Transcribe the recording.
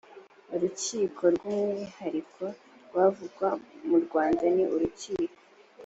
urukiko rw umwihariko rwavugwa mu rwanda ni urukiko